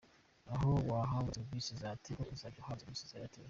Aho wahabwaga serivisi za Tigo uzajya uhahabwa serivisi za Airtel.